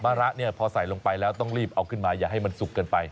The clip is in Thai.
ระเนี่ยพอใส่ลงไปแล้วต้องรีบเอาขึ้นมาอย่าให้มันสุกเกินไป